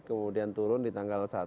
kemudian turun di tanggal satu